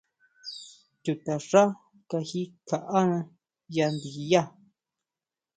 Chuta xá kaji kjaʼána ya ndiyá.